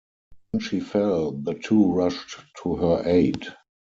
When she fell the two rushed to her aid.